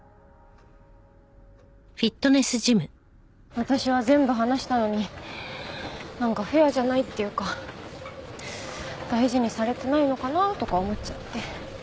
私は全部話したのになんかフェアじゃないっていうか大事にされてないのかな？とか思っちゃって。